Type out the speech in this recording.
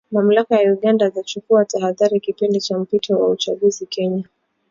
Mamlaka Uganda zachukua tahadhari kipindi cha mpito wa uchaguzi Kenya.